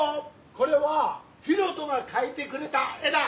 これはヒロトが描いてくれた絵だ！